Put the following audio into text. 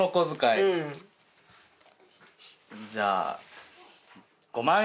じゃあ。